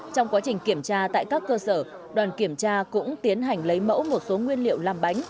trong quá trình kiểm tra tại các cơ sở đoàn kiểm tra cũng tiến hành lấy mẫu một số nguyên liệu làm bánh